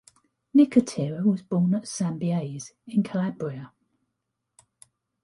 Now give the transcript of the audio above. Nicotera was born at Sambiase, in Calabria.